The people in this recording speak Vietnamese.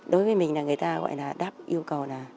đối với mình là người ta gọi là đáp yêu cầu là